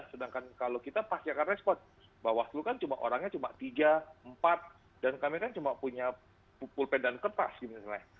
sedangkan kalau kita pasyakan respon bawaslu kan orangnya cuma tiga empat dan kami kan cuma punya pulpen dan kertas misalnya